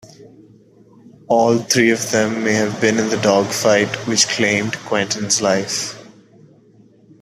All three of them may have been in the dogfight which claimed Quentin's life.